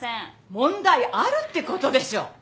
問題あるってことでしょ！